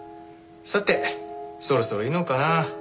さてそろそろ去のうかな。